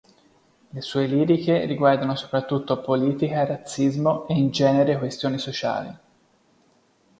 Le sue liriche riguardano soprattutto politica, razzismo, e in genere questioni sociali.